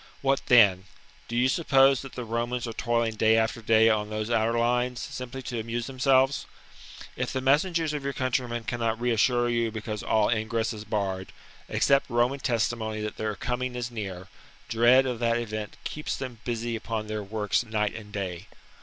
What then ? Do you suppose that the Romans are toiling day after day on those outer lines, simply to amuse themselves ? If the messengers of your countrymen cannot reassure you because all ingress is barred, accept Roman testimony that their coming is near : dread of that event keeps them busy upon their works 268 THE REBELLION book 52 B.C. night and day.